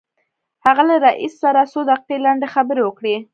هغه له رئيس سره څو دقيقې لنډې خبرې وکړې.